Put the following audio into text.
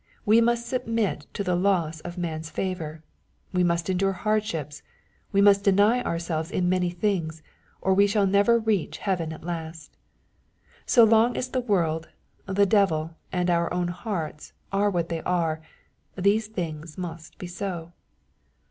We must submit to the loss of man's favor, we must endure hardships, we must deny ourselves in many things, or we shall never reach heaven at last. So long as the world, the devil, and our own hearts, are what they are, these things must be so.